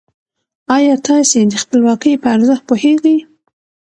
ايا تاسې د خپلواکۍ په ارزښت پوهېږئ؟